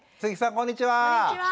こんにちは。